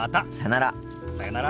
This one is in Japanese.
さようなら。